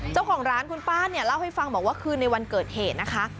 เจ้าของร้านคุณป้าเนี่ยเล่าให้ฟังบอกว่าคืนในวันเกิดเหตุนะคะ